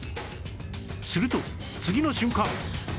すると次の瞬間！